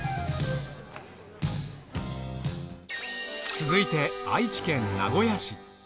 続いて、愛知県名古屋市。